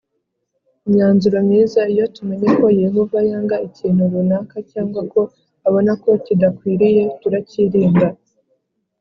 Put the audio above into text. imyanzuro myiza Iyo tumenye ko Yehova yanga ikintu runaka cyangwa ko abona ko kidakwiriye turakirinda